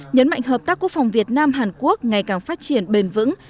nhấn mạnh hợp tác quốc phòng việt nam hàn quốc ngày càng phát triển bền vững